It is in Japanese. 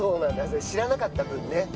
それ知らなかった分ね